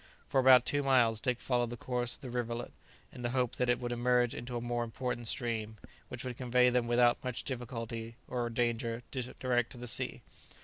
] For about two miles Dick followed the course of the rivulet, in the hope that it would emerge into a more important stream, which would convey them without much difficulty or danger direct to the sea.